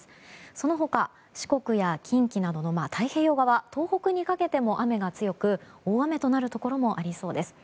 その他、四国や近畿などの太平洋側東北にかけても雨が強く、大雨となるところもありそうです。